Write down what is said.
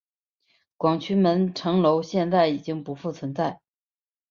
广渠门城楼现在已经不复存在。